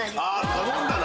頼んだな。